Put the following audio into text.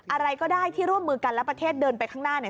อะไรก็ได้ที่ร่วมมือกันและประเทศเดินไปข้างหน้าเนี่ย